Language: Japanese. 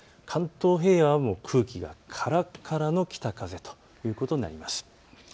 関東平野は空気がからからの北風ということになります。